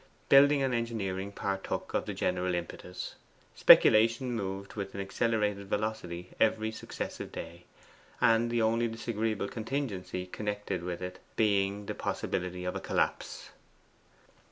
Building and engineering partook of the general impetus. Speculation moved with an accelerated velocity every successive day, the only disagreeable contingency connected with it being the possibility of a collapse.